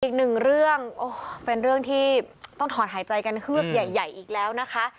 เป็นเรื่องที่ต้องถอดหายใจกันเคือกใหญ่อีกแล้วนะคะ